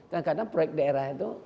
karena proyek daerah itu